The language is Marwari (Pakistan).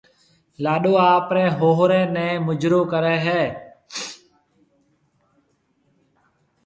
لاڏو آپريَ ھوھرَي نيَ مُجرو ڪرَي ھيََََ